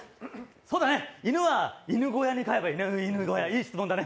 そうだね、犬は犬小屋に飼えばいいね、いい質問。